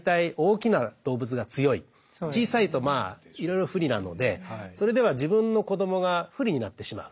小さいとまあいろいろ不利なのでそれでは自分の子どもが不利になってしまう。